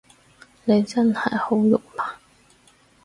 你真係好肉麻